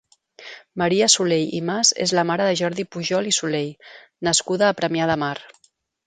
Maria Soley i Mas és la mare de Jordi Pujol i Soley, nascuda a Premià de Mar.